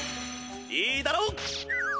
いいだろ！